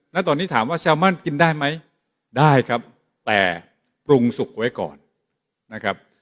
แล้วตอนนี้ถามว่าแซลมมั่นกินได้ไหมได้ครับแต่ปรุงสุกไว้ก่อนนะครับ